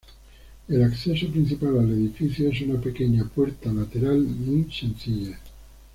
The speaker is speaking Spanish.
El acceso principal al edificio es una pequeña puerta lateral muy sencilla.